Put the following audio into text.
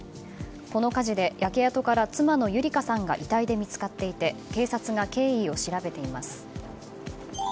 この火事で焼け跡から妻の優理香さんが遺体で見つかっていて警察が経緯を調べています。